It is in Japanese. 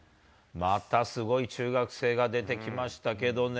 またすごい中学生が出てきましたけどね。